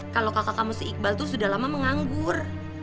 kalau kakak kamu si iqbal itu sudah lama menganggur